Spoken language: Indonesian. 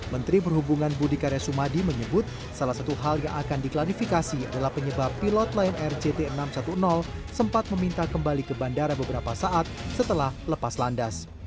menteri perhubungan budi karya sumadi menyebut salah satu hal yang akan diklarifikasi adalah penyebab pilot lion air jt enam ratus sepuluh sempat meminta kembali ke bandara beberapa saat setelah lepas landas